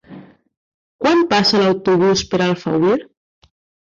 Quan passa l'autobús per Alfauir?